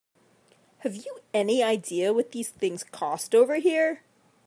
Have you any idea what these things cost over here?